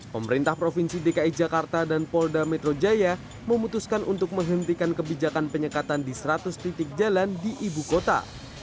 pemerintah provinsi dki jakarta dan polda metro jaya memutuskan untuk menghentikan kebijakan penyekatan di seratus titik jalan di ibu kota